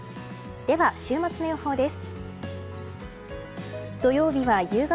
では週末の予報です。